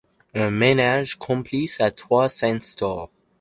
Un ménage complice à trois s'instaure.